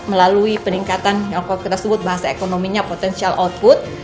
melalui peningkatan yang kalau kita sebut bahasa ekonominya potensial output